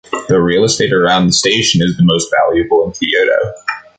The real estate around the station is the most valuable in Kyoto.